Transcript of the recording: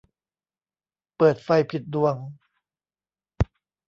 เปิดไฟผิดดวง